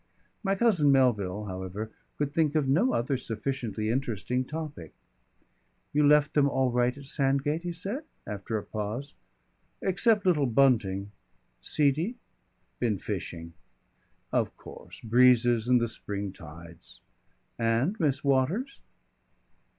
My cousin Melville, however, could think of no other sufficiently interesting topic. "You left them all right at Sandgate?" he asked, after a pause. "Except little Bunting." "Seedy?" "Been fishing." "Of course. Breezes and the spring tides.... And Miss Waters?"